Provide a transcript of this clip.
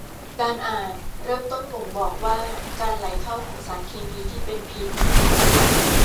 การอ่านเริ่มต้นบ่งบอกว่าการไหลเข้าของสารเคมีที่เป็นพิษ